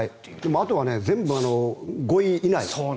あとは全部５位以内。